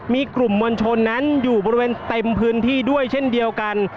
มีกลุ่มมวลชนนั้นอยู่บริเวณเต็มพื้นที่ด้วยเช่นเดียวกัน